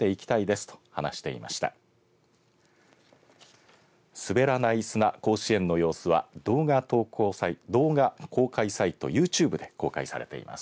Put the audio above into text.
すべらない砂甲子園の様子は動画公開サイトＹｏｕＴｕｂｅで公開されています。